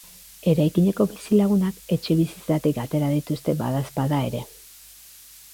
Eraikineko bizilagunak etxebizitzetatik atera dituzte badaezpada ere.